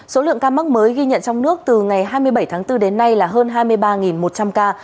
số lượng ca mắc mới ghi nhận trong nước từ ngày hai mươi bảy tháng bốn đến nay là hơn hai mươi ba một trăm linh ca